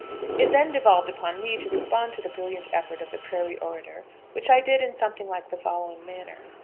It then devolved upon me to respond to the brilliant effort of the prairie orator, which I did in something like the following manner.